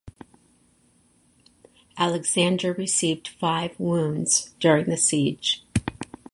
Alexander received five wounds during the siege.